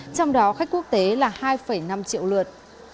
trong đó khách quốc tế là hai năm triệu lượt